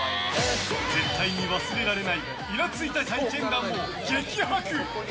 絶対に忘れられないイラついた体験談を激白。